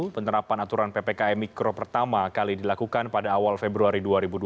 penerapan aturan ppkm mikro pertama kali dilakukan pada awal februari dua ribu dua puluh